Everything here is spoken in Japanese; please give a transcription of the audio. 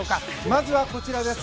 まずはこちらです。